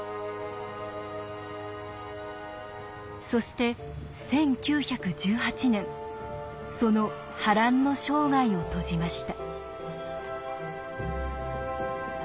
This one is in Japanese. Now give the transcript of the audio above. そして１９１８年その波乱の生涯を閉じました。